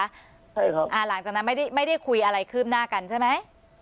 ใช่ครับอ่าหลังจากนั้นไม่ได้คุยอะไรคืบหน้ากันใช่ไหม